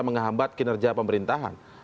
menghambat kinerja pemerintahan